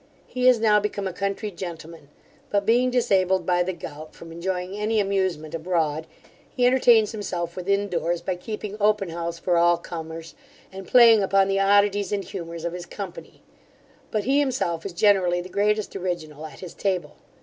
He is now become a country gentleman; but, being disabled by the gout from enjoying any amusement abroad, he entertains himself within doors, by keeping open house for all corners, and playing upon the oddities and humours of his company: but he himself is generally the greatest original at his table.